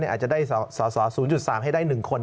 อาจจะได้สอสอ๐๓ให้ได้๑คน